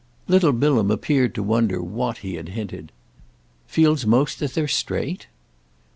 Little Bilham appeared to wonder what he had hinted. "Feels most that they're straight?"